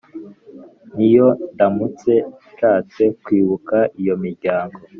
N’iyo ndamutse nshatse Kwibuka iyo miryango